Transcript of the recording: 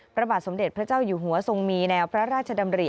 พระบาทสมเด็จพระเจ้าอยู่หัวทรงมีแนวพระราชดำริ